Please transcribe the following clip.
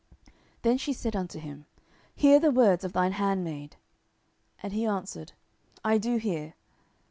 Then she said unto him, Hear the words of thine handmaid. And he answered, I do hear.